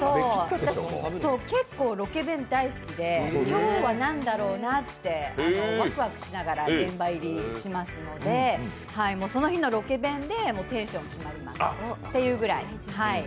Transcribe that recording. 結構ロケ弁大好きで今日は何だろうなってわくわくしながら現場入りしますのでその日のロケ弁でテンション決まりますっていうぐらい。